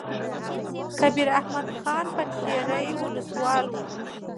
کبیر احمد خان پنجشېري ولسوال وو.